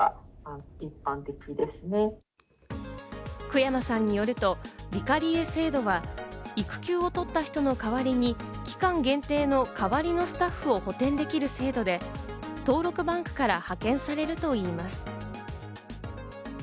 久山さんによると、ヴィカリエ制度は、育休を取った人の代わりに期間限定の代わりのスタッフを補填できる制度で、登録バンクから派遣されるといいます。